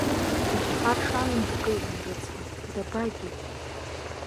Иҽхаршалан дгылан, рыцҳа, дабагеи?